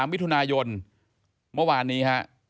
๒๓วิทยุนายนเมื่อวานนี้